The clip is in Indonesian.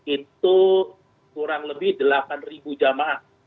itu kurang lebih delapan jamaah